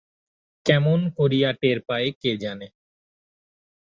কেমন করিয়া টের পায় কে জানে!